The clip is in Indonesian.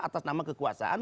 atas nama kekuasaan